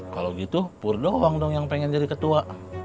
kalau gitu pur doang dong yang pengen jadi ketua